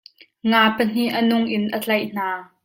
Nga pahnih a nungin a tlaih hna.